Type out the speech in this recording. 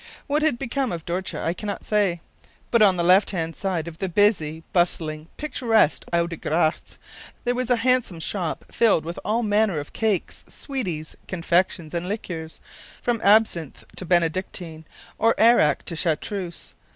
What had become of Dortje I cannot say; but on the left hand side of the busy, bustling, picturesque Oude Gracht there was a handsome shop filled with all manner of cakes, sweeties, confections, and liquors from absinthe to Benedictine, or arrack to chartreuse.